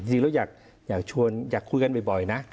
จริงแล้วอยากชวนอยากคุยกันบ่อยนะ